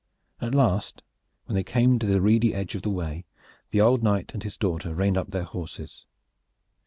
At last when they came to the reedy edge of the Wey the old knight and his daughter reined up their horses.